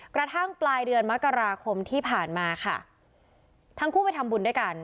กระทั่งปลายเดือนมกราคมที่ผ่านมาค่ะทั้งคู่ไปทำบุญด้วยกัน